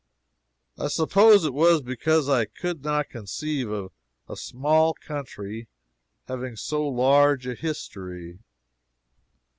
I suppose it was because I could not conceive of a small country having so large a history.